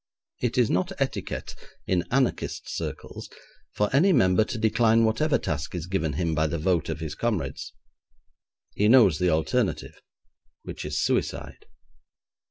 It is not etiquette in anarchist circles for any member to decline whatever task is given him by the vote of his comrades. He knows the alternative, which is suicide.